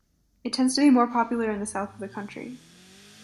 It tends to be more popular in the south of the country.